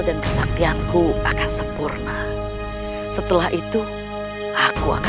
dan memilih manusia otakmu untuk keterlatedi tersusuk